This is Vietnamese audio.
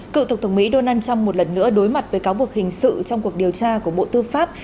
cựu tổng thống mỹ donald trump một lần nữa đối mặt với cáo buộc hình sự trong cuộc điều tra của bộ tư pháp